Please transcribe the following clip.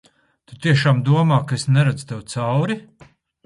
Tu tiešām domā, ka es neredzu tev cauri?